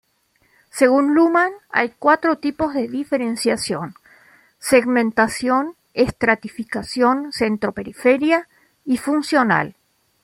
Según Luhmann hay cuatro tipos de diferenciación: segmentación, estratificación, centro-periferia y funcional.